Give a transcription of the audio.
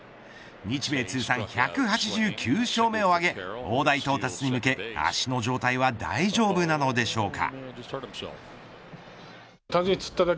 日米通算１８９勝目を挙げ大台到達に向け足の状態は大丈夫なのでしょうか。